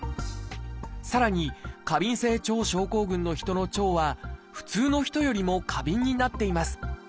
さらに過敏性腸症候群の人の腸は普通の人よりも過敏になっています。